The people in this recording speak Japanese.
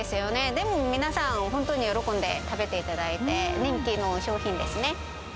でも皆さん、本当に喜んで食べていただいて、人気の商品ですね。